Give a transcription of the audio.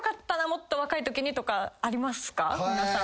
もっと若いときにとかありますか？